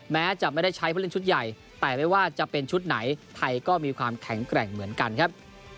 แม้จะไม่ได้ใช้ผู้เล่นชุดใหญ่แต่ไม่ว่าจะเป็นชุดไหนไทยก็มีความแข็งแกร่งเหมือนกันครับ